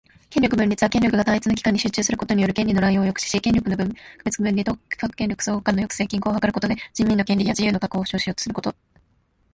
権力分立は、権力が単一の機関に集中することによる権利の濫用を抑止し、権力の区別・分離と各権力相互間の抑制・均衡を図ることで、人民の権利や自由の確保を保障しようとすること